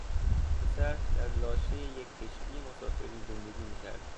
پسر در لاشهی یک کشتی مسافری زندگی می کرد.